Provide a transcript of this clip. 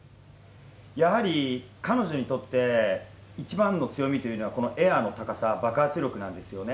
やはり、彼女にとって一番の強みっていうのは、このエアの高さ、爆発力なんですよね。